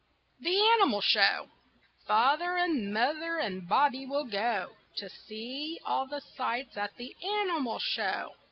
THE ANIMAL SHOW Father and mother and Bobbie will go To see all the sights at the animal show.